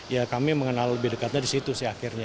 ya kami mengenal lebih dekatnya disitu sih akhirnya